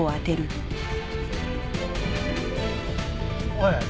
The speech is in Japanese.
おい！